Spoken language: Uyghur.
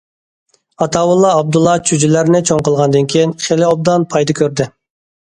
ئاتاۋۇللا ئابدۇللا چۈجىلەرنى چوڭ قىلغاندىن كېيىن، خېلى ئوبدان پايدا كۆردى.